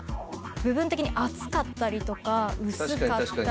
部分的に厚かったりとか薄かったりとか。